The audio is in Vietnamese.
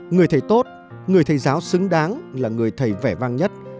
người thầy giáo xứng đáng là người thầy vẻ vang nhất